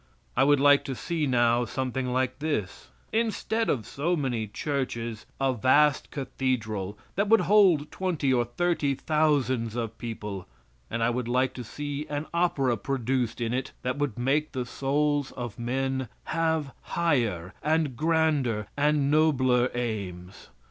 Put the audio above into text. I would like to see now something like this: Instead of so many churches, a vast cathedral that would hold twenty or thirty thousands of people, and I would like to see an opera produced in it that would make the souls of men have higher and grander and nobler aims.